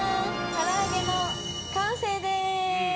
唐揚げの完成です。